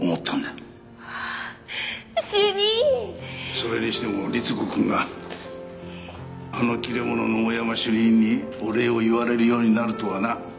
それにしてもりつ子くんがあのキレ者の大山主任にお礼を言われるようになるとはな。